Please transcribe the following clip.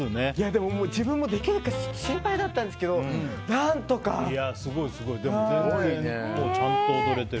でも、自分もできるか心配だったんですけど全然ちゃんと踊れてる。